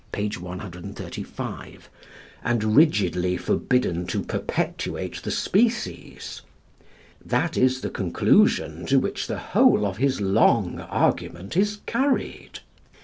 135), and rigidly forbidden to perpetuate the species. That is the conclusion to which the whole of his long argument is carried.